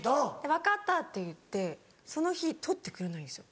「分かった」って言ってその日取ってくれないんですよ。